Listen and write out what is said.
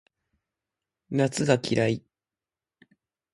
夏が嫌い